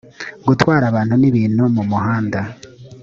gutwara abantu n’ ibintu mu muhanda